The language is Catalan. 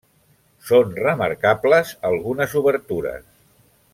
Són remarcables algunes obertures.